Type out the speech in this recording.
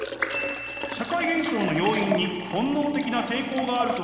社会現象の要因に本能的な抵抗があるとするアラン哲学。